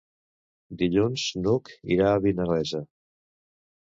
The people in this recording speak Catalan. Dilluns n'Hug irà a Vinalesa.